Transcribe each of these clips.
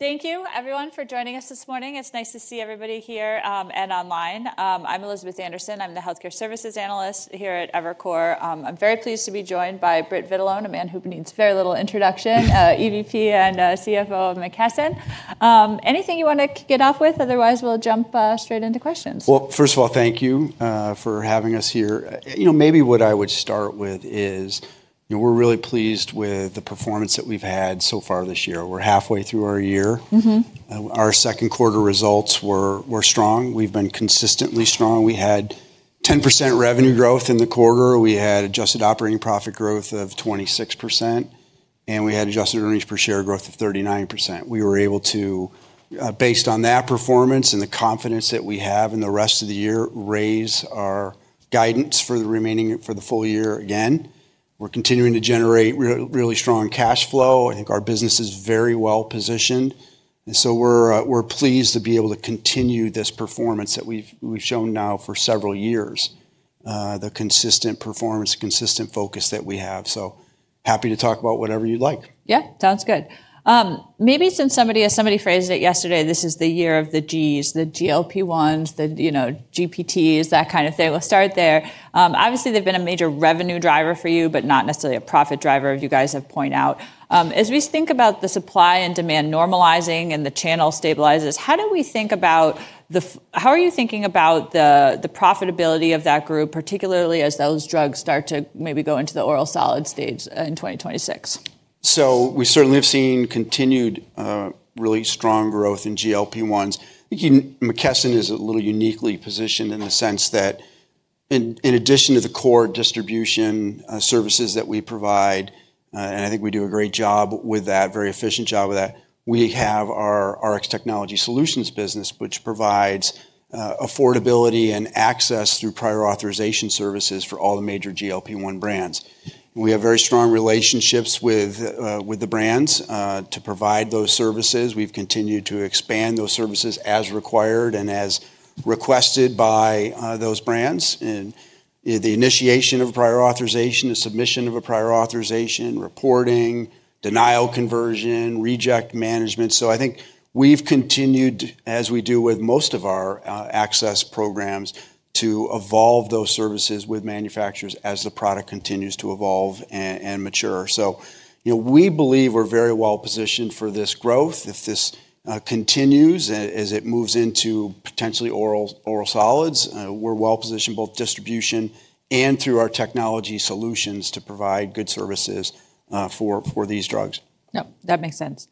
Thank you, everyone, for joining us this morning. It's nice to see everybody here and online. I'm Elizabeth Anderson. I'm the Healthcare Services Analyst here at Evercore. I'm very pleased to be joined by Britt Vitalone, a man who needs very little introduction, EVP and CFO of McKesson. Anything you want to kick it off with? Otherwise, we'll jump straight into questions. First of all, thank you for having us here. You know, maybe what I would start with is, you know, we're really pleased with the performance that we've had so far this year. We're halfway through our year. Our second quarter results were strong. We've been consistently strong. We had 10% revenue growth in the quarter. We had adjusted operating profit growth of 26%, and we had adjusted earnings per share growth of 39%. We were able to, based on that performance and the confidence that we have in the rest of the year, raise our guidance for the remaining for the full year again. We're continuing to generate really strong cash flow. I think our business is very well positioned. And so we're pleased to be able to continue this performance that we've shown now for several years, the consistent performance, consistent focus that we have. So happy to talk about whatever you'd like. Yeah, sounds good. Maybe since somebody, as somebody phrased it yesterday, this is the year of the Gs, the GLP-1s, the GPTs, that kind of thing. We'll start there. Obviously, they've been a major revenue driver for you, but not necessarily a profit driver, as you guys have pointed out. As we think about the supply and demand normalizing and the channel stabilizes, how do we think about the, how are you thinking about the profitability of that group, particularly as those drugs start to maybe go into the oral solid stage in 2026? We certainly have seen continued really strong growth in GLP-1s. McKesson is a little uniquely positioned in the sense that in addition to the core distribution services that we provide, and I think we do a great job with that, very efficient job with that, we have our Rx Technology Solutions business, which provides affordability and access through prior authorization services for all the major GLP-1 brands. We have very strong relationships with the brands to provide those services. We've continued to expand those services as required and as requested by those brands. The initiation of a prior authorization, the submission of a prior authorization, reporting, denial conversion, reject management. I think we've continued, as we do with most of our access programs, to evolve those services with manufacturers as the product continues to evolve and mature. So, you know, we believe we're very well positioned for this growth. If this continues as it moves into potentially oral solids, we're well positioned both distribution and through our technology solutions to provide good services for these drugs. No, that makes sense.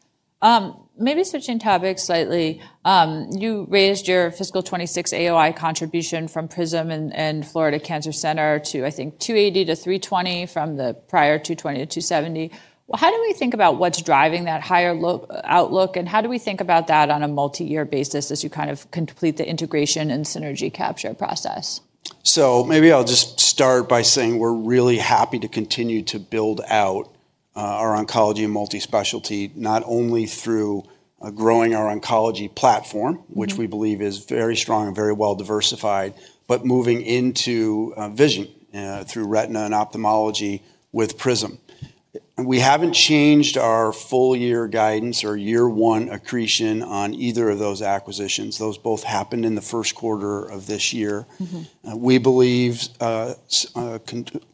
Maybe switching topics slightly, you raised your fiscal 26 AOI contribution from Prism and Florida Cancer Center to, I think, 280-320 from the prior 220-270. How do we think about what's driving that higher outlook? And how do we think about that on a multi-year basis as you kind of complete the integration and synergy capture process? So maybe I'll just start by saying we're really happy to continue to build out our oncology and multi-specialty, not only through growing our oncology platform, which we believe is very strong and very well diversified, but moving into vision through retina and ophthalmology with Prism. We haven't changed our full year guidance or year one accretion on either of those acquisitions. Those both happened in the first quarter of this year. We believe,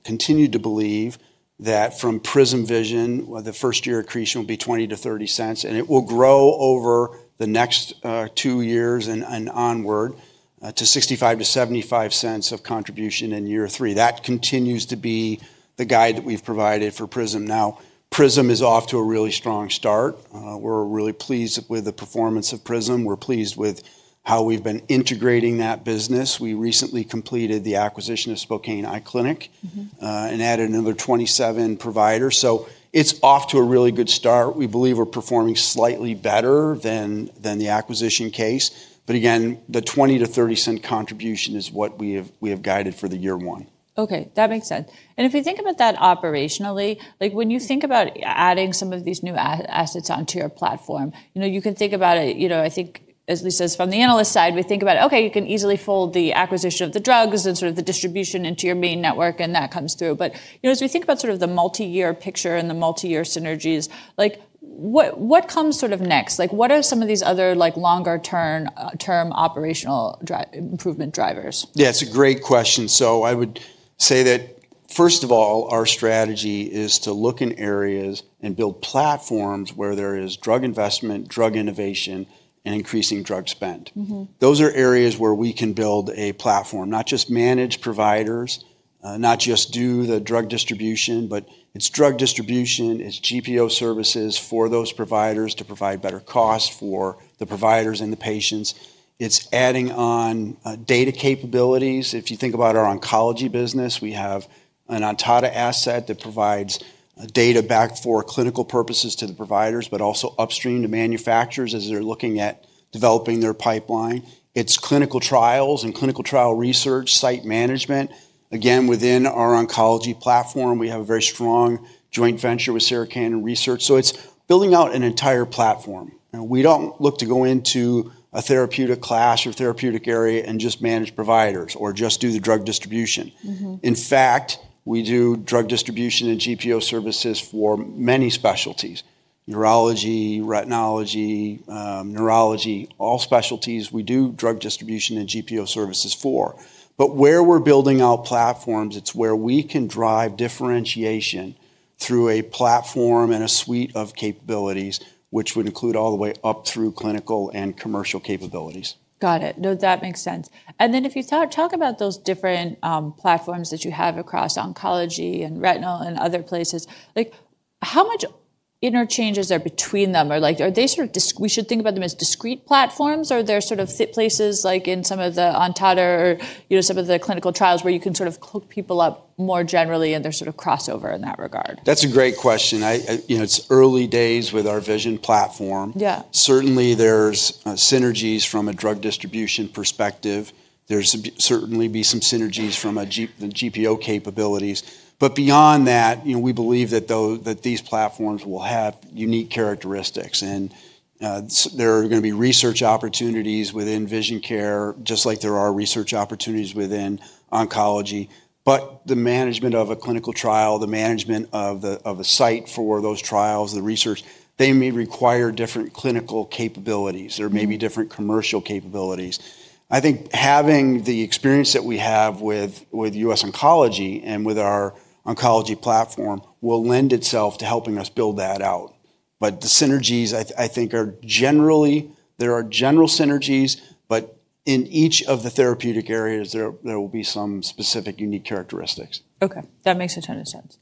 continue to believe that from Prism Vision, the first year accretion will be $0.20-$0.30, and it will grow over the next two years and onward to $0.65-$0.75 of contribution in year three. That continues to be the guide that we've provided for Prism. Now, Prism is off to a really strong start. We're really pleased with the performance of Prism. We're pleased with how we've been integrating that business. We recently completed the acquisition of Spokane Eye Clinic and added another 27 providers, so it's off to a really good start. We believe we're performing slightly better than the acquisition case, but again, the $0.20-$0.30 contribution is what we have guided for the year one. Okay, that makes sense, and if you think about that operationally, like when you think about adding some of these new assets onto your platform, you know, you can think about it, you know, I think, as Lisa says from the analyst side, we think about, okay, you can easily fold the acquisition of the drugs and sort of the distribution into your main network and that comes through, but you know, as we think about sort of the multi-year picture and the multi-year synergies, like what comes sort of next? Like what are some of these other longer-term operational improvement drivers? Yeah, it's a great question. So I would say that first of all, our strategy is to look in areas and build platforms where there is drug investment, drug innovation, and increasing drug spend. Those are areas where we can build a platform, not just manage providers, not just do the drug distribution, but it's drug distribution, it's GPO services for those providers to provide better costs for the providers and the patients. It's adding on data capabilities. If you think about our oncology business, we have an Ontada asset that provides data back for clinical purposes to the providers, but also upstream to manufacturers as they're looking at developing their pipeline. It's clinical trials and clinical trial research, site management. Again, within our oncology platform, we have a very strong joint venture with Sarah Cannon Research. So it's building out an entire platform. We don't look to go into a therapeutic class or therapeutic area and just manage providers or just do the drug distribution. In fact, we do drug distribution and GPO services for many specialties: urology, rheumatology, neurology, all specialties we do drug distribution and GPO services for. But where we're building out platforms, it's where we can drive differentiation through a platform and a suite of capabilities, which would include all the way up through clinical and commercial capabilities. Got it. No, that makes sense. And then if you talk about those different platforms that you have across oncology and retinal and other places, like how much interchanges are between them? Or like are they sort of, we should think about them as discrete platforms? Are there sort of fit places like in some of the Ontada or, you know, some of the clinical trials where you can sort of hook people up more generally and they're sort of crossover in that regard? That's a great question. You know, it's early days with our vision platform. Yeah, certainly there's synergies from a drug distribution perspective. There's certainly be some synergies from the GPO capabilities. But beyond that, you know, we believe that these platforms will have unique characteristics and there are going to be research opportunities within vision care, just like there are research opportunities within oncology. But the management of a clinical trial, the management of the site for those trials, the research, they may require different clinical capabilities or maybe different commercial capabilities. I think having the experience that we have with US Oncology and with our oncology platform will lend itself to helping us build that out. But the synergies, I think, are generally, there are general synergies, but in each of the therapeutic areas, there will be some specific unique characteristics. Okay, that makes a ton of sense.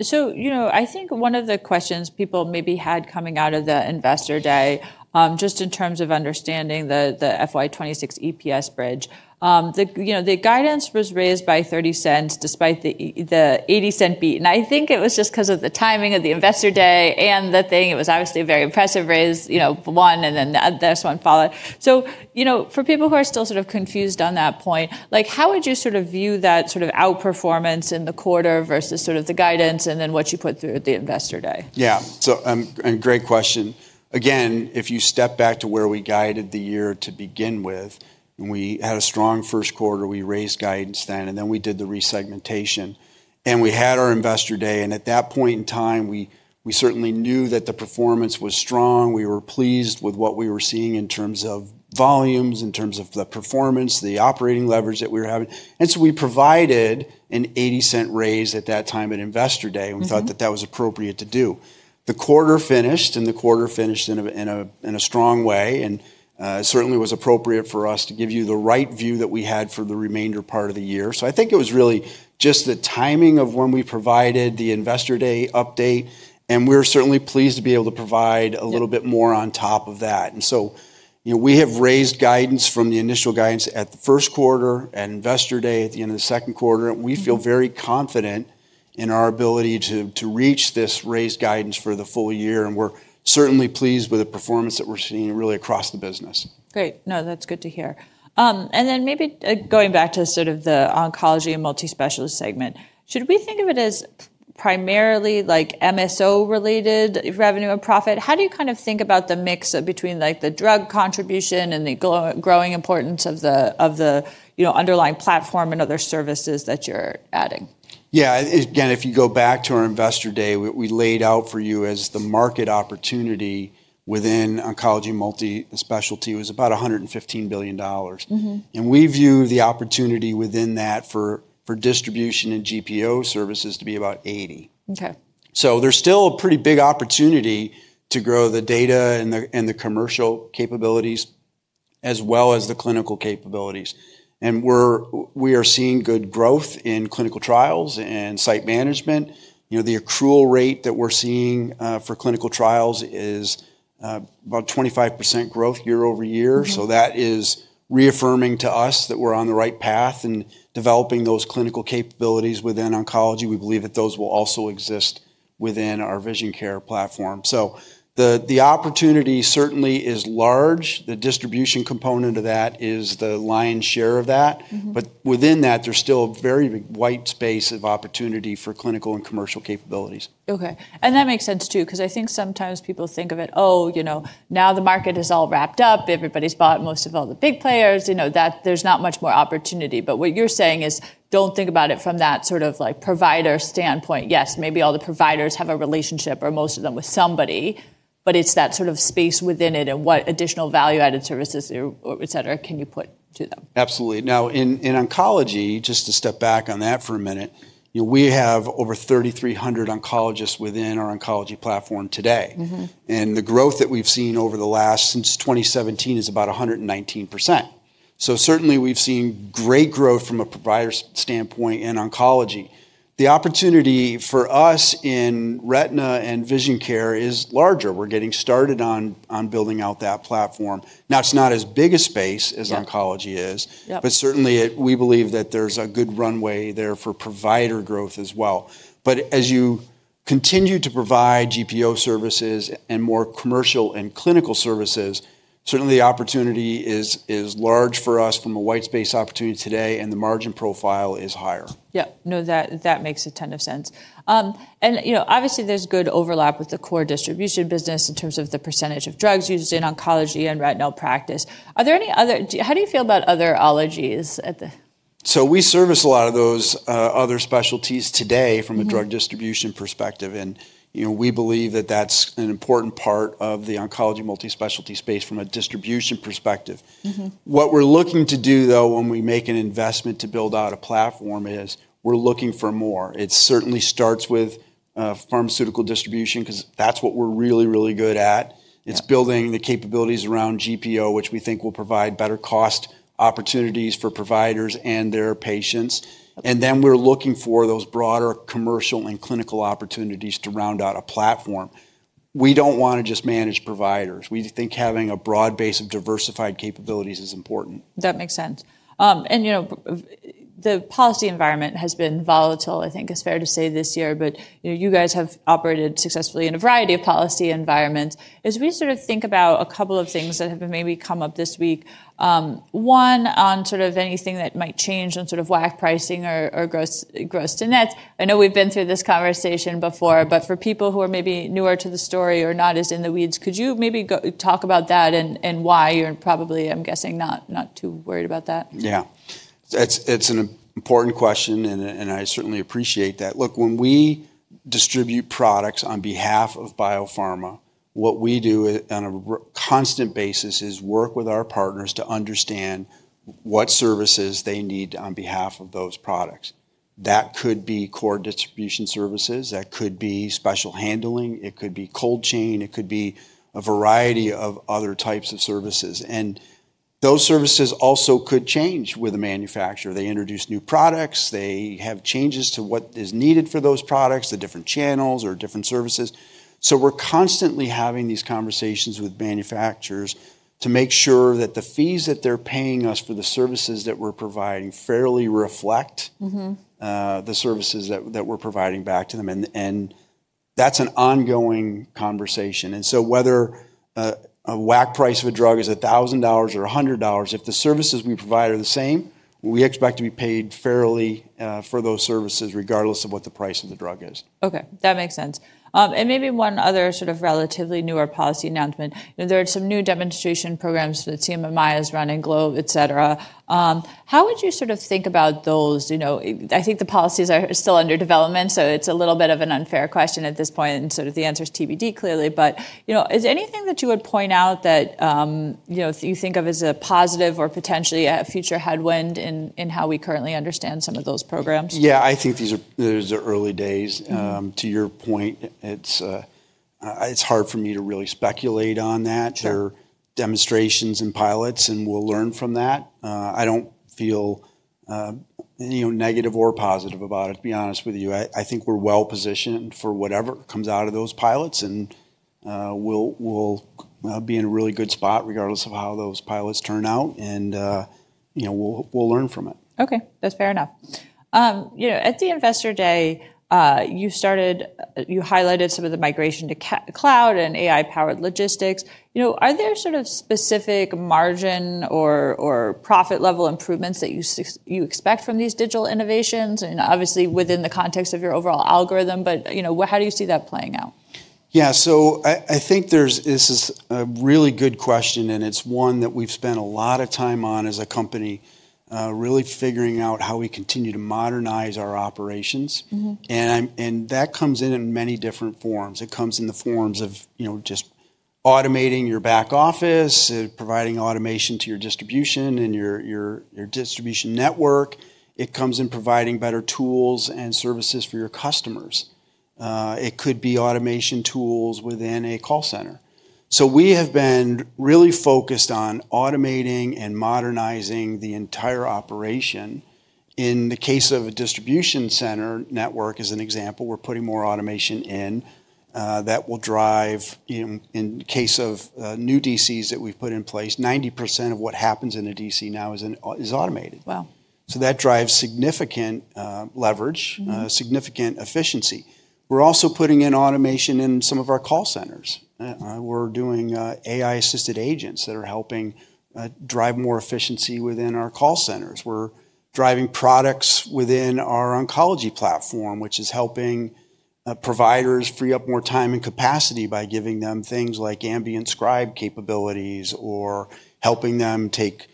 So, you know, I think one of the questions people maybe had coming out of the investor day, just in terms of understanding the FY26 EPS bridge, you know, the guidance was raised by $0.30 despite the $0.80 beat. And I think it was just because of the timing of the investor day and the thing. It was obviously a very impressive raise, you know, one and then this one followed. So, you know, for people who are still sort of confused on that point, like how would you sort of view that sort of outperformance in the quarter versus sort of the guidance and then what you put through the investor day? Yeah, so a great question. Again, if you step back to where we guided the year to begin with, we had a strong first quarter, we raised guidance then, and then we did the resegmentation. And we had our investor day, and at that point in time, we certainly knew that the performance was strong. We were pleased with what we were seeing in terms of volumes, in terms of the performance, the operating leverage that we were having. And so we provided an $0.80 raise at that time at investor day, and we thought that that was appropriate to do. The quarter finished, and the quarter finished in a strong way, and certainly was appropriate for us to give you the right view that we had for the remainder part of the year. I think it was really just the timing of when we provided the investor day update, and we're certainly pleased to be able to provide a little bit more on top of that. You know, we have raised guidance from the initial guidance at the first quarter and investor day at the end of the second quarter. We feel very confident in our ability to reach this raised guidance for the full year, and we're certainly pleased with the performance that we're seeing really across the business. Great. No, that's good to hear. And then maybe going back to sort of the oncology and multispecialty segment, should we think of it as primarily like MSO-related revenue and profit? How do you kind of think about the mix between like the drug contribution and the growing importance of the, you know, underlying platform and other services that you're adding? Yeah, again, if you go back to our investor day, we laid out for you that the market opportunity within oncology multi-specialty was about $115 billion. We view the opportunity within that for distribution and GPO services to be about $80 billion. There's still a pretty big opportunity to grow the data and the commercial capabilities as well as the clinical capabilities. We are seeing good growth in clinical trials and site management. You know, the accrual rate that we're seeing for clinical trials is about 25% growth year over year. That is reaffirming to us that we're on the right path and developing those clinical capabilities within oncology. We believe that those will also exist within our vision care platform. The opportunity certainly is large. The distribution component of that is the lion's share of that. But within that, there's still a very big white space of opportunity for clinical and commercial capabilities. Okay. And that makes sense too, because I think sometimes people think of it, oh, you know, now the market is all wrapped up, everybody's bought most of all the big players, you know, that there's not much more opportunity. But what you're saying is don't think about it from that sort of like provider standpoint. Yes, maybe all the providers have a relationship or most of them with somebody, but it's that sort of space within it and what additional value-added services, et cetera, can you put to them? Absolutely. Now, in oncology, just to step back on that for a minute, you know, we have over 3,300 oncologists within our oncology platform today. And the growth that we've seen over the last since 2017 is about 119%. So certainly we've seen great growth from a provider standpoint in oncology. The opportunity for us in retina and vision care is larger. We're getting started on building out that platform. Now, it's not as big a space as oncology is, but certainly we believe that there's a good runway there for provider growth as well. But as you continue to provide GPO services and more commercial and clinical services, certainly the opportunity is large for us from a white space opportunity today, and the margin profile is higher. Yeah, no, that makes a ton of sense, and you know, obviously there's good overlap with the core distribution business in terms of the percentage of drugs used in oncology and retinal practice. Are there any other? How do you feel about other allergies? So we service a lot of those other specialties today from a drug distribution perspective. And, you know, we believe that that's an important part of the oncology multi-specialty space from a distribution perspective. What we're looking to do though, when we make an investment to build out a platform, is we're looking for more. It certainly starts with pharmaceutical distribution because that's what we're really, really good at. It's building the capabilities around GPO, which we think will provide better cost opportunities for providers and their patients. And then we're looking for those broader commercial and clinical opportunities to round out a platform. We don't want to just manage providers. We think having a broad base of diversified capabilities is important. That makes sense, and, you know, the policy environment has been volatile. I think it's fair to say this year, but you guys have operated successfully in a variety of policy environments. As we sort of think about a couple of things that have maybe come up this week, one on sort of anything that might change on sort of WAC pricing or gross-to-net. I know we've been through this conversation before, but for people who are maybe newer to the story or not as in the weeds, could you maybe talk about that and why you're probably, I'm guessing, not too worried about that? Yeah, it's an important question, and I certainly appreciate that. Look, when we distribute products on behalf of biopharma, what we do on a constant basis is work with our partners to understand what services they need on behalf of those products. That could be core distribution services, that could be special handling, it could be cold chain, it could be a variety of other types of services, and those services also could change with a manufacturer. They introduce new products, they have changes to what is needed for those products, the different channels or different services, so we're constantly having these conversations with manufacturers to make sure that the fees that they're paying us for the services that we're providing fairly reflect the services that we're providing back to them, and that's an ongoing conversation. Whether a WAC price of a drug is $1,000 or $100, if the services we provide are the same, we expect to be paid fairly for those services regardless of what the price of the drug is. Okay, that makes sense, and maybe one other sort of relatively newer policy announcement. There are some new demonstration programs that CMMI is running, Globe, et cetera. How would you sort of think about those? You know, I think the policies are still under development, so it's a little bit of an unfair question at this point, and sort of the answer is TBD clearly, but you know, is there anything that you would point out that, you know, you think of as a positive or potentially a future headwind in how we currently understand some of those programs? Yeah, I think these are early days. To your point, it's hard for me to really speculate on that. There are demonstrations and pilots, and we'll learn from that. I don't feel, you know, negative or positive about it, to be honest with you. I think we're well positioned for whatever comes out of those pilots, and we'll be in a really good spot regardless of how those pilots turn out, and, you know, we'll learn from it. Okay, that's fair enough. You know, at the investor day, you started, you highlighted some of the migration to cloud and AI-powered logistics. You know, are there sort of specific margin or profit level improvements that you expect from these digital innovations? And obviously within the context of your overall algorithm, but, you know, how do you see that playing out? Yeah, so I think this is a really good question, and it's one that we've spent a lot of time on as a company, really figuring out how we continue to modernize our operations, and that comes in many different forms. It comes in the forms of, you know, just automating your back office, providing automation to your distribution and your distribution network. It comes in providing better tools and services for your customers. It could be automation tools within a call center, so we have been really focused on automating and modernizing the entire operation. In the case of a distribution center network, as an example, we're putting more automation in that will drive, in case of new DCs that we've put in place, 90% of what happens in a DC now is automated. Wow, so that drives significant leverage, significant efficiency. We're also putting in automation in some of our call centers. We're doing AI-assisted agents that are helping drive more efficiency within our call centers. We're driving products within our oncology platform, which is helping providers free up more time and capacity by giving them things like ambient scribe capabilities or helping them take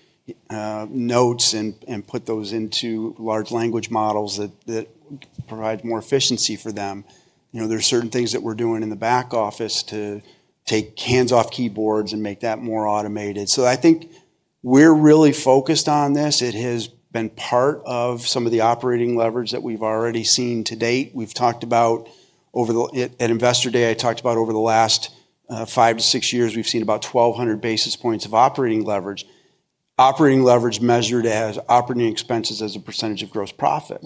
notes and put those into large language models that provide more efficiency for them. You know, there are certain things that we're doing in the back office to take hands off keyboards and make that more automated. So I think we're really focused on this. It has been part of some of the operating leverage that we've already seen to date. We've talked about, over the investor day, I talked about over the last five to six years, we've seen about 1,200 basis points of operating leverage. Operating leverage measured as operating expenses as a percentage of gross profit.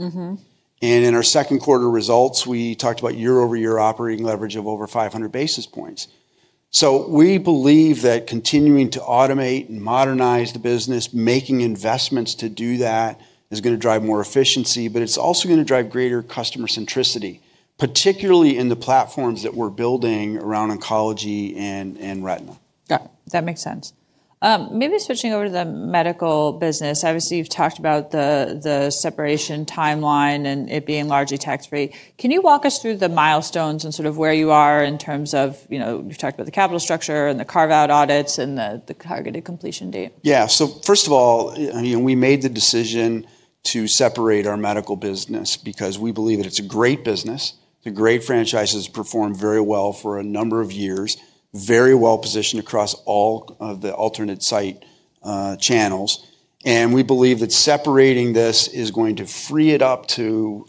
And in our second quarter results, we talked about year-over-year operating leverage of over 500 basis points. So we believe that continuing to automate and modernize the business, making investments to do that is going to drive more efficiency, but it's also going to drive greater customer centricity, particularly in the platforms that we're building around oncology and retina. That makes sense. Maybe switching over to the medical business, obviously you've talked about the separation timeline and it being largely tax-free. Can you walk us through the milestones and sort of where you are in terms of, you know, you've talked about the capital structure and the carve-out audits and the targeted completion date? Yeah, so first of all, you know, we made the decision to separate our medical business because we believe that it's a great business. The great franchises perform very well for a number of years, very well positioned across all of the alternate site channels, and we believe that separating this is going to free it up to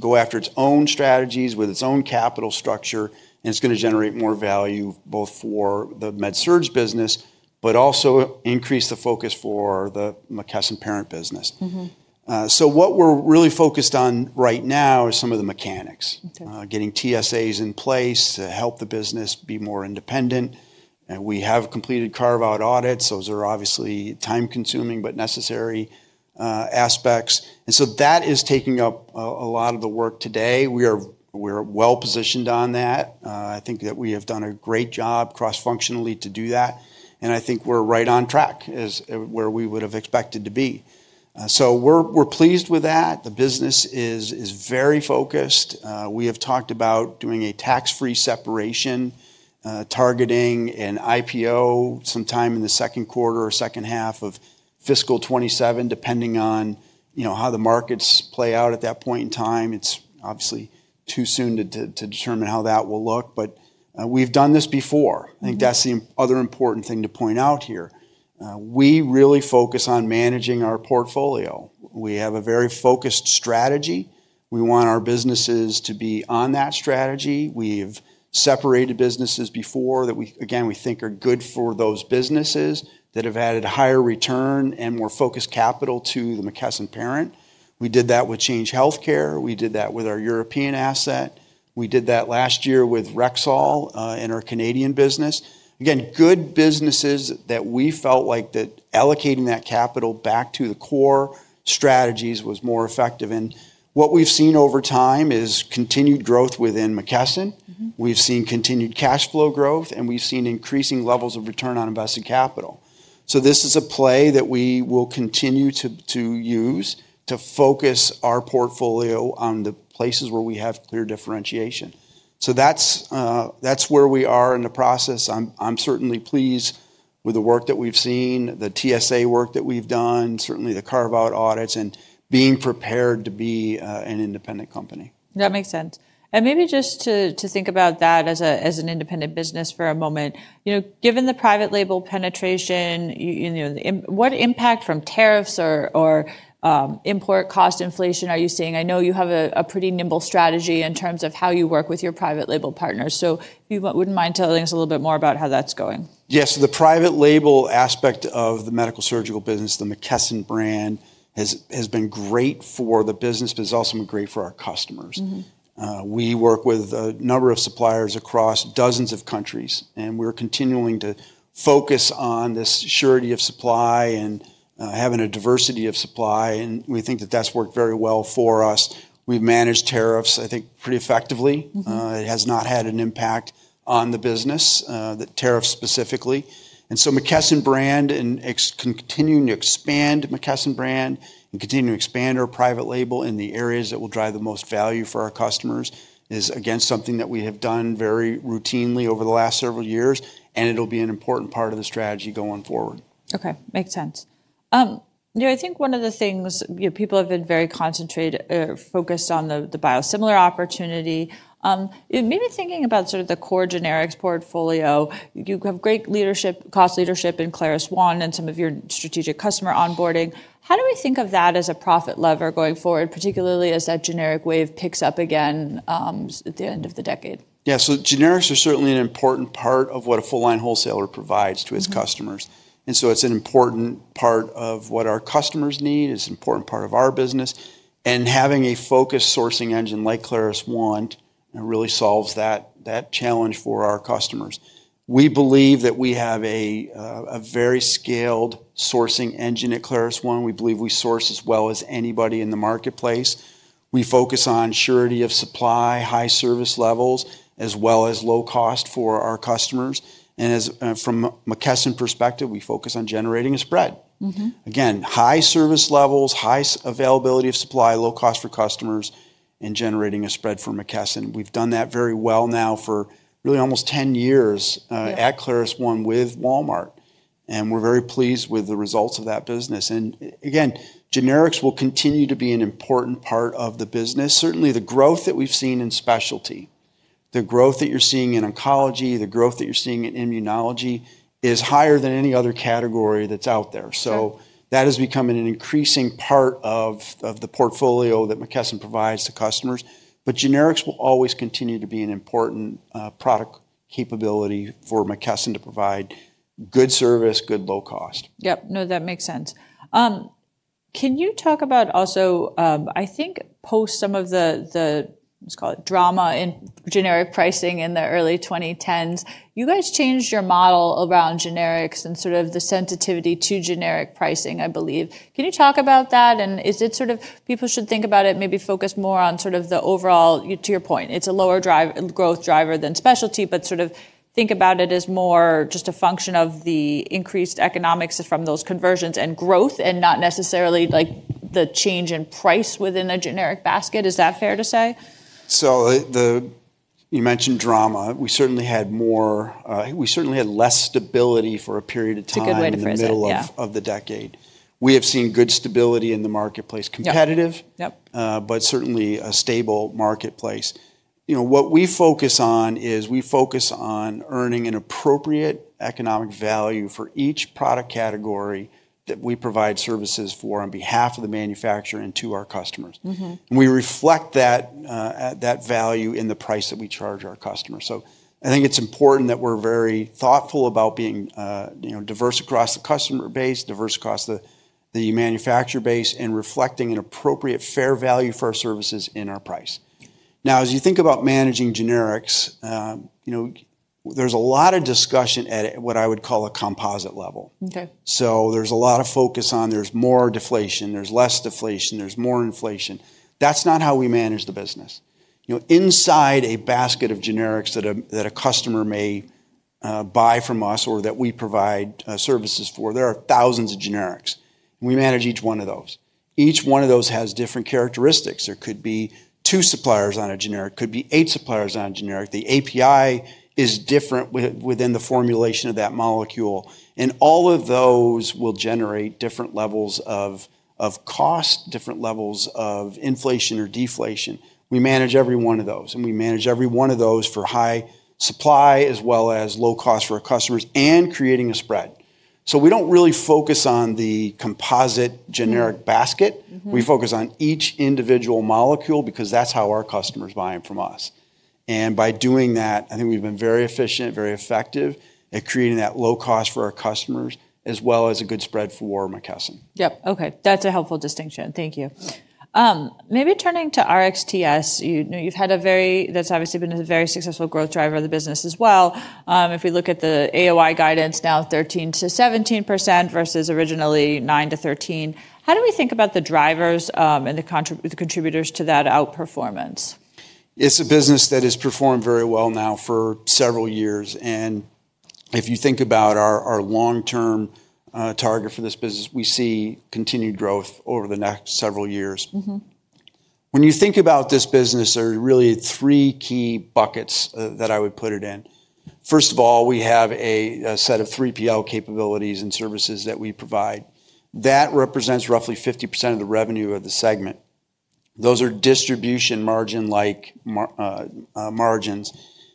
go after its own strategies with its own capital structure, and it's going to generate more value both for the med-surg business, but also increase the focus for the McKesson parent business, so what we're really focused on right now is some of the mechanics, getting TSAs in place to help the business be more independent. We have completed carve-out audits. Those are obviously time-consuming, but necessary aspects, and so that is taking up a lot of the work today. We are well positioned on that. I think that we have done a great job cross-functionally to do that, and I think we're right on track where we would have expected to be, so we're pleased with that. The business is very focused. We have talked about doing a tax-free separation, targeting an IPO sometime in the second quarter or second half of fiscal 2027, depending on, you know, how the markets play out at that point in time. It's obviously too soon to determine how that will look, but we've done this before. I think that's the other important thing to point out here. We really focus on managing our portfolio. We have a very focused strategy. We want our businesses to be on that strategy. We've separated businesses before that we, again, we think are good for those businesses that have added higher return and more focused capital to the McKesson parent. We did that with Change Healthcare. We did that with our European asset. We did that last year with Rexall in our Canadian business. Again, good businesses that we felt like that allocating that capital back to the core strategies was more effective. And what we've seen over time is continued growth within McKesson. We've seen continued cash flow growth, and we've seen increasing levels of return on invested capital. So this is a play that we will continue to use to focus our portfolio on the places where we have clear differentiation. So that's where we are in the process. I'm certainly pleased with the work that we've seen, the TSA work that we've done, certainly the carve-out audits and being prepared to be an independent company. That makes sense. And maybe just to think about that as an independent business for a moment, you know, given the private label penetration, you know, what impact from tariffs or import cost inflation are you seeing? I know you have a pretty nimble strategy in terms of how you work with your private label partners. So if you wouldn't mind telling us a little bit more about how that's going. Yes, the private label aspect of the medical surgical business, the McKesson brand, has been great for the business, but it's also been great for our customers. We work with a number of suppliers across dozens of countries, and we're continuing to focus on this surety of supply and having a diversity of supply. And we think that that's worked very well for us. We've managed tariffs, I think, pretty effectively. It has not had an impact on the business, the tariffs specifically. And so McKesson brand and continuing to expand McKesson brand and continue to expand our private label in the areas that will drive the most value for our customers is, again, something that we have done very routinely over the last several years, and it'll be an important part of the strategy going forward. Okay, makes sense. You know, I think one of the things, you know, people have been very concentrated, focused on the biosimilar opportunity. Maybe thinking about sort of the core generics portfolio, you have great leadership, cost leadership in ClarusONE and some of your strategic customer onboarding. How do we think of that as a profit lever going forward, particularly as that generic wave picks up again at the end of the decade? Yeah, so generics are certainly an important part of what a full-line wholesaler provides to its customers. And so it's an important part of what our customers need. It's an important part of our business. And having a focused sourcing engine like ClarusONE really solves that challenge for our customers. We believe that we have a very scaled sourcing engine at ClarusONE. We believe we source as well as anybody in the marketplace. We focus on surety of supply, high service levels, as well as low cost for our customers. And from a McKesson perspective, we focus on generating a spread. Again, high service levels, high availability of supply, low cost for customers, and generating a spread for McKesson. We've done that very well now for really almost 10 years at ClarusONE with Walmart. And we're very pleased with the results of that business. Again, generics will continue to be an important part of the business. Certainly, the growth that we've seen in specialty, the growth that you're seeing in oncology, the growth that you're seeing in immunology is higher than any other category that's out there. That has become an increasing part of the portfolio that McKesson provides to customers. Generics will always continue to be an important product capability for McKesson to provide good service, good low cost. Yep, no, that makes sense. Can you talk about also, I think post some of the, let's call it drama in generic pricing in the early 2010s, you guys changed your model around generics and sort of the sensitivity to generic pricing, I believe. Can you talk about that? And is it sort of people should think about it, maybe focus more on sort of the overall, to your point, it's a lower growth driver than specialty, but sort of think about it as more just a function of the increased economics from those conversions and growth and not necessarily like the change in price within a generic basket. Is that fair to say? So you mentioned drama. We certainly had more, we certainly had less stability for a period of time in the middle of the decade. We have seen good stability in the marketplace, competitive, but certainly a stable marketplace. You know, what we focus on is we focus on earning an appropriate economic value for each product category that we provide services for on behalf of the manufacturer and to our customers. And we reflect that value in the price that we charge our customers. So I think it's important that we're very thoughtful about being, you know, diverse across the customer base, diverse across the manufacturer base, and reflecting an appropriate fair value for our services in our price. Now, as you think about managing generics, you know, there's a lot of discussion at what I would call a composite level. So there's a lot of focus on there's more deflation, there's less deflation, there's more inflation. That's not how we manage the business. You know, inside a basket of generics that a customer may buy from us or that we provide services for, there are thousands of generics. We manage each one of those. Each one of those has different characteristics. There could be two suppliers on a generic, could be eight suppliers on a generic. The API is different within the formulation of that molecule. And all of those will generate different levels of cost, different levels of inflation or deflation. We manage every one of those. And we manage every one of those for high supply as well as low cost for our customers and creating a spread. So we don't really focus on the composite generic basket. We focus on each individual molecule because that's how our customers buy them from us. And by doing that, I think we've been very efficient, very effective at creating that low cost for our customers as well as a good spread for McKesson. Yep, okay. That's a helpful distinction. Thank you. Maybe turning to RXTS, you know, that's obviously been a very successful growth driver of the business as well. If we look at the AOI guidance now, 13%-17% versus originally 9%-13%. How do we think about the drivers and the contributors to that outperformance? It's a business that has performed very well now for several years. If you think about our long-term target for this business, we see continued growth over the next several years. When you think about this business, there are really three key buckets that I would put it in. First of all, we have a set of 3PL capabilities and services that we provide. That represents roughly 50% of the revenue of the segment. Those are distribution margin-like margins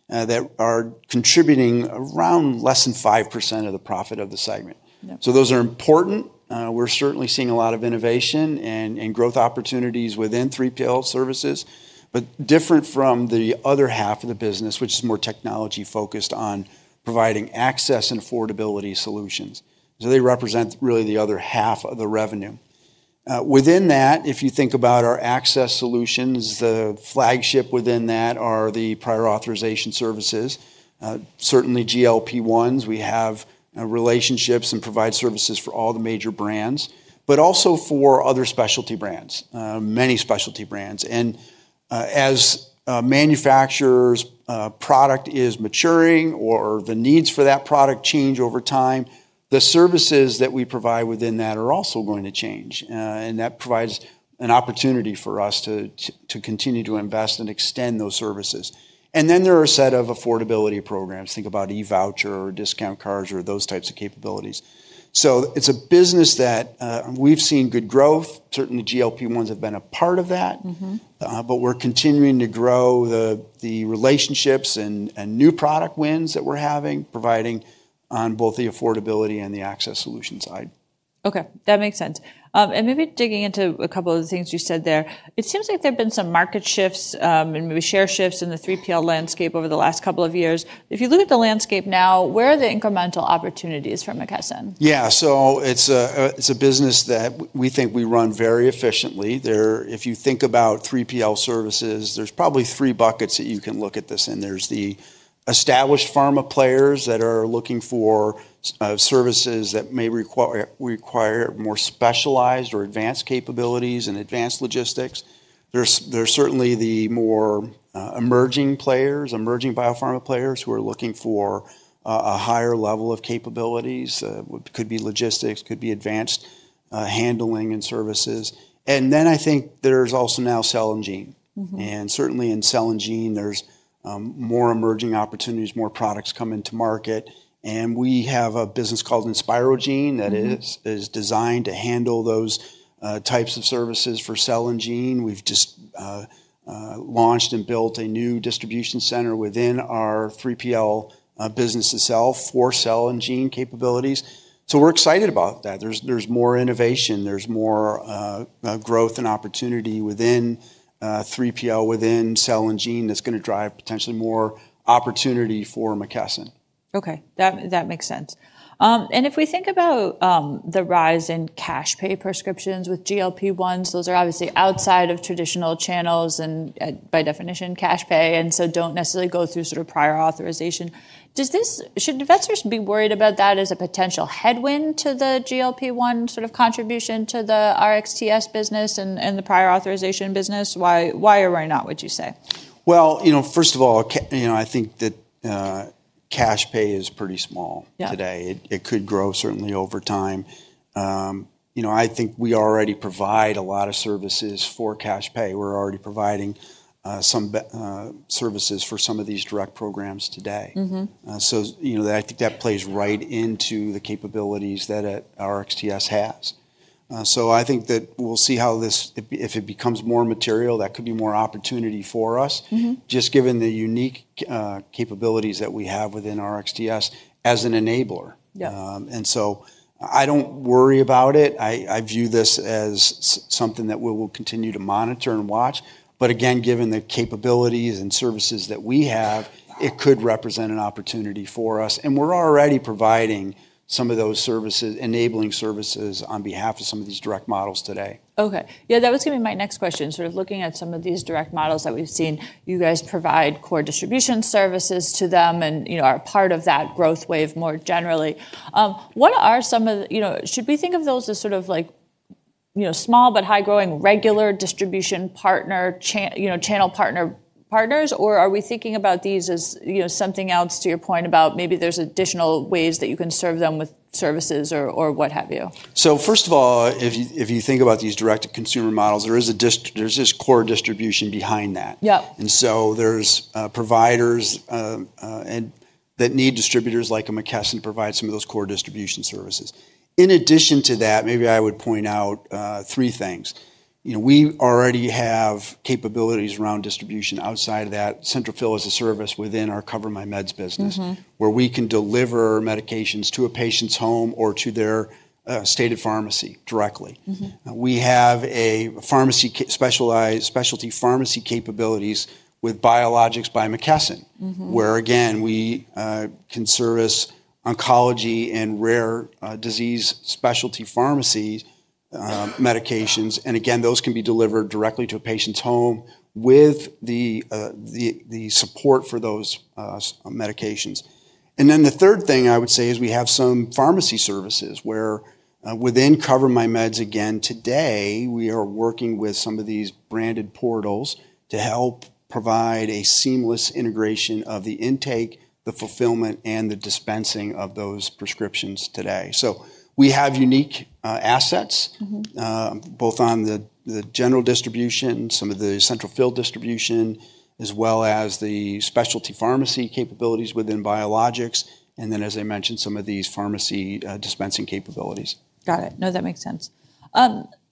that are contributing around less than 5% of the profit of the segment. Those are important. We're certainly seeing a lot of innovation and growth opportunities within 3PL services, but different from the other half of the business, which is more technology-focused on providing access and affordability solutions. They represent really the other half of the revenue. Within that, if you think about our access solutions, the flagship within that are the prior authorization services. Certainly GLP-1s, we have relationships and provide services for all the major brands, but also for other specialty brands, many specialty brands. And as manufacturers' product is maturing or the needs for that product change over time, the services that we provide within that are also going to change. And that provides an opportunity for us to continue to invest and extend those services. And then there are a set of affordability programs. Think about e-voucher or discount cards or those types of capabilities. So it's a business that we've seen good growth. Certainly GLP-1s have been a part of that, but we're continuing to grow the relationships and new product wins that we're having providing on both the affordability and the access solution side. Okay, that makes sense. And maybe digging into a couple of the things you said there, it seems like there have been some market shifts and maybe share shifts in the 3PL landscape over the last couple of years. If you look at the landscape now, where are the incremental opportunities for McKesson? Yeah, so it's a business that we think we run very efficiently. If you think about 3PL services, there's probably three buckets that you can look at this in. There's the established pharma players that are looking for services that may require more specialized or advanced capabilities and advanced logistics. There's certainly the more emerging players, emerging biopharma players who are looking for a higher level of capabilities. It could be logistics, could be advanced handling and services. And then I think there's also now cell and gene. And certainly in cell and gene, there's more emerging opportunities, more products come into market. And we have a business called InspiroGene that is designed to handle those types of services for cell and gene. We've just launched and built a new distribution center within our 3PL business itself for cell and gene capabilities. So we're excited about that. There's more innovation, there's more growth and opportunity within 3PL within cell and gene that's going to drive potentially more opportunity for McKesson. Okay, that makes sense. And if we think about the rise in cash pay prescriptions with GLP-1s, those are obviously outside of traditional channels and by definition cash pay, and so don't necessarily go through sort of prior authorization. Should investors be worried about that as a potential headwind to the GLP-1 sort of contribution to the RXTS business and the prior authorization business? Why or why not would you say? You know, first of all, you know, I think that cash pay is pretty small today. It could grow certainly over time. You know, I think we already provide a lot of services for cash pay. We're already providing some services for some of these direct programs today. So, you know, I think that plays right into the capabilities that RxTS has. So I think that we'll see how this, if it becomes more material, that could be more opportunity for us, just given the unique capabilities that we have within RxTS as an enabler. And so I don't worry about it. I view this as something that we will continue to monitor and watch. But again, given the capabilities and services that we have, it could represent an opportunity for us. We're already providing some of those services, enabling services on behalf of some of these direct models today. Okay. Yeah, that was going to be my next question. Sort of looking at some of these direct models that we've seen, you guys provide core distribution services to them and, you know, are part of that growth wave more generally. What are some of, you know, should we think of those as sort of like, you know, small but high-growing regular distribution partner, you know, channel partner partners, or are we thinking about these as, you know, something else to your point about maybe there's additional ways that you can serve them with services or what have you? So first of all, if you think about these direct-to-consumer models, there is a core distribution behind that. And so there's providers that need distributors like McKesson to provide some of those core distribution services. In addition to that, maybe I would point out three things. You know, we already have capabilities around distribution outside of that. CentralFill is a service within our CoverMyMeds business where we can deliver medications to a patient's home or to their stated pharmacy directly. We have a specialty pharmacy capabilities with Biologics by McKesson where, again, we can service oncology and rare disease specialty pharmacies' medications. And again, those can be delivered directly to a patient's home with the support for those medications. And then the third thing I would say is we have some pharmacy services where within CoverMyMeds, again, today, we are working with some of these branded portals to help provide a seamless integration of the intake, the fulfillment, and the dispensing of those prescriptions today. So we have unique assets both on the general distribution, some of the CentralFill distribution, as well as the specialty pharmacy capabilities within biologics. And then, as I mentioned, some of these pharmacy dispensing capabilities. Got it. No, that makes sense.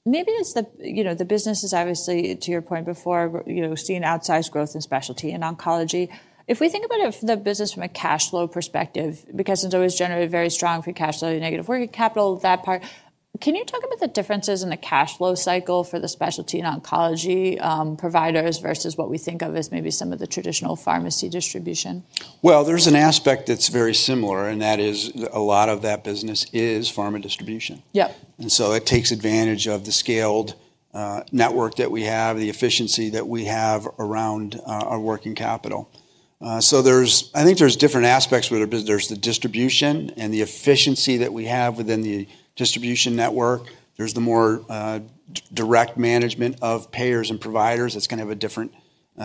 Maybe it's the, you know, the business is obviously, to your point before, you know, seeing outsized growth in specialty and oncology. If we think about it from a cash flow perspective, because it's always generally very strong for cash flow and negative working capital, that part, can you talk about the differences in the cash flow cycle for the specialty and oncology providers versus what we think of as maybe some of the traditional pharmacy distribution? There's an aspect that's very similar, and that is a lot of that business is pharma distribution. And so it takes advantage of the scaled network that we have, the efficiency that we have around our working capital. So I think there's different aspects where there's the distribution and the efficiency that we have within the distribution network. There's the more direct management of payers and providers. That's going to have a different,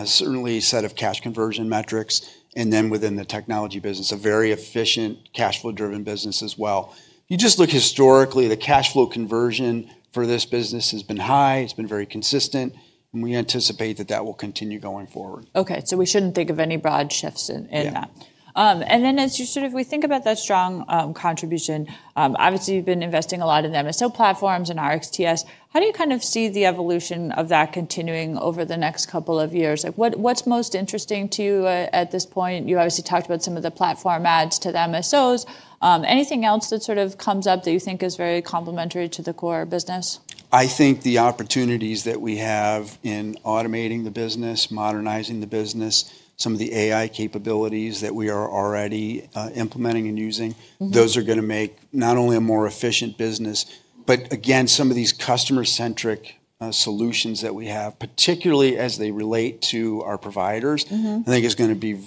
certainly set of cash conversion metrics. And then within the technology business, a very efficient cash flow-driven business as well. If you just look historically, the cash flow conversion for this business has been high. It's been very consistent. And we anticipate that that will continue going forward. Okay. So we shouldn't think of any broad shifts in that. And then as you sort of, we think about that strong contribution, obviously you've been investing a lot in the MSO platforms and RxTS. How do you kind of see the evolution of that continuing over the next couple of years? Like what's most interesting to you at this point? You obviously talked about some of the platform adds to the MSOs. Anything else that sort of comes up that you think is very complementary to the core business? I think the opportunities that we have in automating the business, modernizing the business, some of the AI capabilities that we are already implementing and using, those are going to make not only a more efficient business, but again, some of these customer-centric solutions that we have, particularly as they relate to our providers. I think is going to be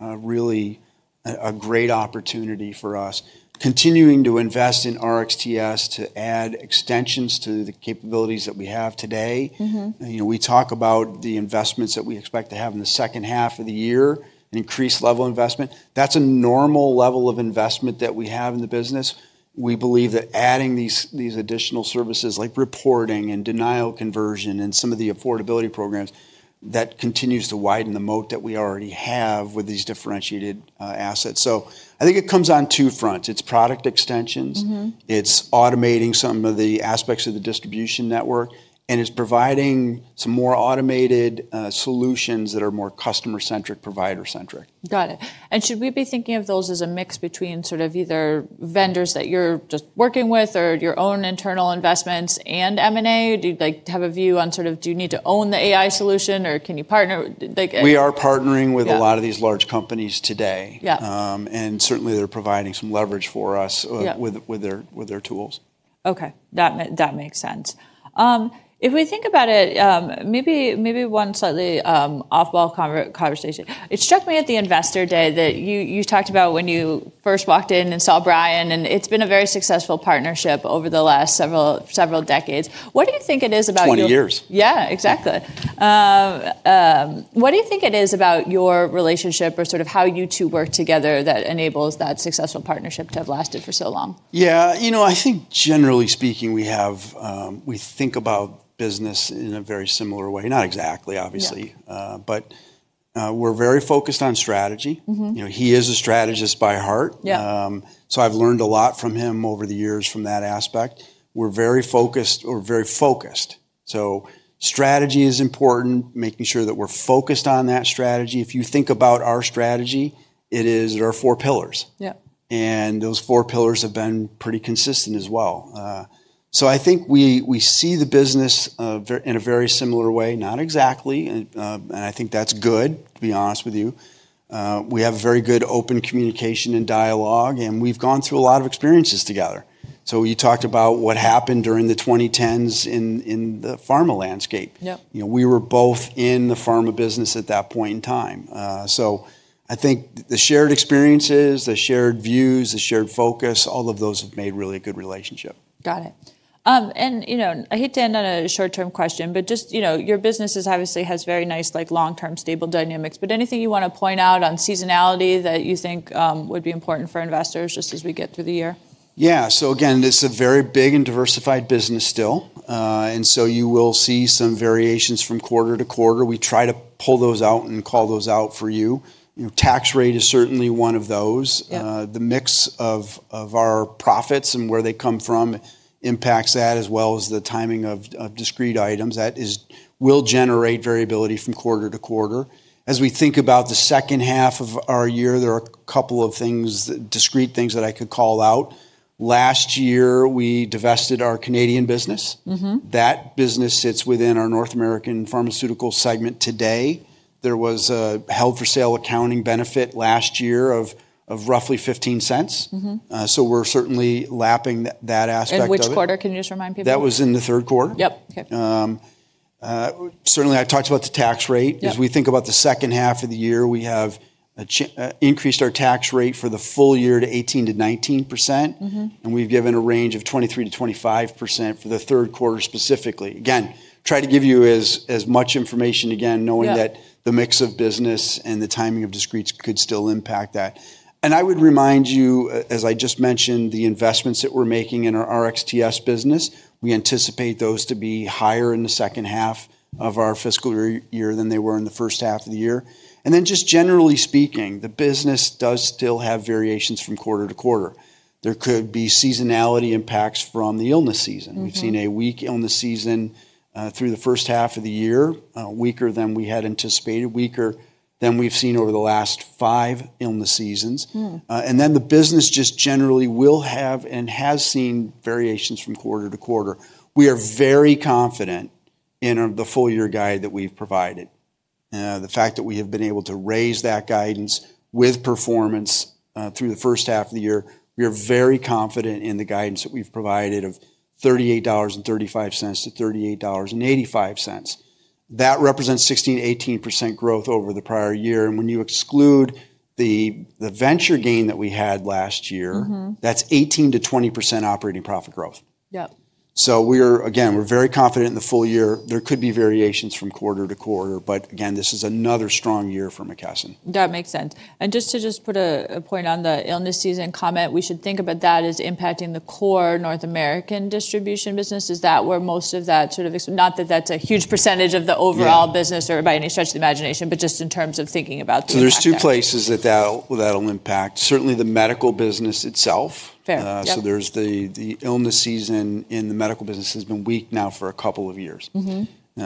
really a great opportunity for us. Continuing to invest in RxTS to add extensions to the capabilities that we have today. You know, we talk about the investments that we expect to have in the second half of the year, an increased level of investment. That's a normal level of investment that we have in the business. We believe that adding these additional services like reporting and denial conversion and some of the affordability programs, that continues to widen the moat that we already have with these differentiated assets. So I think it comes on two fronts. It's product extensions. It's automating some of the aspects of the distribution network. And it's providing some more automated solutions that are more customer-centric, provider-centric. Got it. And should we be thinking of those as a mix between sort of either vendors that you're just working with or your own internal investments and M&A? Do you like to have a view on sort of, do you need to own the AI solution or can you partner? We are partnering with a lot of these large companies today, and certainly they're providing some leverage for us with their tools. Okay. That makes sense. If we think about it, maybe one slightly off-ball conversation. It struck me at the investor day that you talked about when you first walked in and saw Brian, and it's been a very successful partnership over the last several decades. What do you think it is about you? 20 years. Yeah, exactly. What do you think it is about your relationship or sort of how you two work together that enables that successful partnership to have lasted for so long? Yeah, you know, I think generally speaking, we think about business in a very similar way. Not exactly, obviously, but we're very focused on strategy. You know, he is a strategist by heart. So I've learned a lot from him over the years from that aspect. We're very focused. So strategy is important, making sure that we're focused on that strategy. If you think about our strategy, it is our four pillars. And those four pillars have been pretty consistent as well. So I think we see the business in a very similar way, not exactly. And I think that's good, to be honest with you. We have very good open communication and dialogue, and we've gone through a lot of experiences together. So you talked about what happened during the 2010s in the pharma landscape. You know, we were both in the pharma business at that point in time. So I think the shared experiences, the shared views, the shared focus, all of those have made really a good relationship. Got it. And you know, I hate to end on a short-term question, but just, you know, your business obviously has very nice long-term stable dynamics. But anything you want to point out on seasonality that you think would be important for investors just as we get through the year? Yeah. So again, it's a very big and diversified business still. And so you will see some variations from quarter to quarter. We try to pull those out and call those out for you. Tax rate is certainly one of those. The mix of our profits and where they come from impacts that as well as the timing of discrete items. That will generate variability from quarter to quarter. As we think about the second half of our year, there are a couple of discrete things that I could call out. Last year, we divested our Canadian business. That business sits within our North American pharmaceutical segment today. There was a held-for-sale accounting benefit last year of roughly $0.15. So we're certainly lapping that aspect of. In which quarter? Can you just remind people? That was in the third quarter. Yep. Certainly, I talked about the tax rate. As we think about the second half of the year, we have increased our tax rate for the full year to 18%-19%. And we've given a range of 23%-25% for the third quarter specifically. Again, try to give you as much information again, knowing that the mix of business and the timing of discretes could still impact that. And I would remind you, as I just mentioned, the investments that we're making in our RxTS business, we anticipate those to be higher in the second half of our fiscal year than they were in the first half of the year. And then just generally speaking, the business does still have variations from quarter to quarter. There could be seasonality impacts from the illness season. We've seen a weak illness season through the first half of the year, weaker than we had anticipated, weaker than we've seen over the last five illness seasons, and then the business just generally will have and has seen variations from quarter to quarter. We are very confident in the full-year guide that we've provided. The fact that we have been able to raise that guidance with performance through the first half of the year, we are very confident in the guidance that we've provided of $38.35-$38.85. That represents 16%-18% growth over the prior year, and when you exclude the venture gain that we had last year, that's 18%-20% operating profit growth, so we are, again, we're very confident in the full year. There could be variations from quarter to quarter, but again, this is another strong year for McKesson. That makes sense. And just to put a point on the illness season comment, we should think about that as impacting the core North American distribution business. Is that where most of that sort of, not that that's a huge percentage of the overall business or by any stretch of the imagination, but just in terms of thinking about the illness season? There are two places that that'll impact. Certainly the medical business itself. So, there's the illness season in the medical business has been weak now for a couple of years.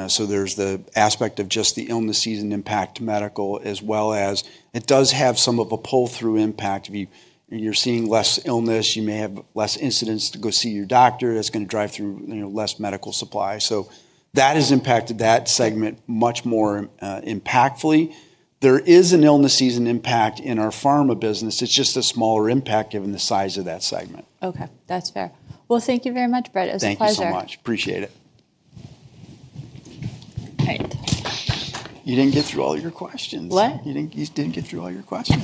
So, there's the aspect of just the illness season impact medical, as well as it does have some of a pull-through impact. If you're seeing less illness, you may have less incidents to go see your doctor. That's going to drive through less medical supply. So, that has impacted that segment much more impactfully. There is an illness season impact in our pharma business. It's just a smaller impact given the size of that segment. Okay. That's fair. Well, thank you very much, Britt. It was a pleasure. Thank you so much. Appreciate it. All right. You didn't get through all your questions. What? You didn't get through all your questions.